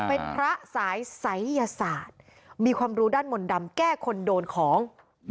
เป็นพระสายศัยยศาสตร์มีความรู้ด้านมนต์ดำแก้คนโดนของ